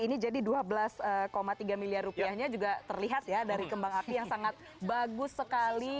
ini jadi dua belas tiga miliar rupiahnya juga terlihat ya dari kembang api yang sangat bagus sekali